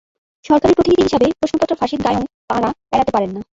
সরকারের প্রতিনিধি হিসেবে প্রশ্নফাঁসের দায়ও তাঁরা এড়াতে পারেন না।